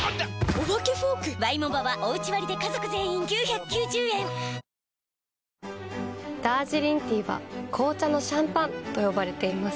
お化けフォーク⁉ダージリンティーは紅茶のシャンパンと呼ばれています。